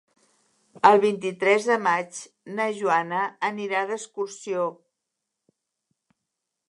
El vint-i-tres de maig na Joana anirà d'excursió.